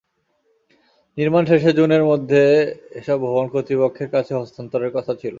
নির্মাণ শেষে জুনের মধ্যে এসব ভবন কর্তৃপক্ষের কাছে হস্তান্তরের কথা ছিল।